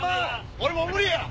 俺もう無理や！